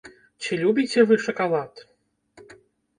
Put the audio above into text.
Ці любіце вы шакалад?